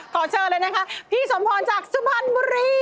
ขอเชิญเลยนะคะพี่สมพรจากสุพรรณบุรี